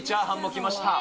来ました。